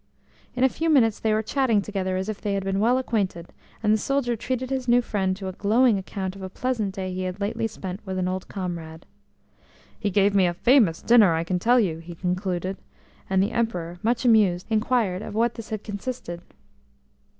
In a few minutes they were chatting together as if they had been well acquainted, and the soldier treated his new friend to a glowing account of a pleasant day he had lately spent with an old comrade. "He gave me a famous dinner, I can tell you," he concluded, and the Emperor, much amused, inquired of what this had consisted.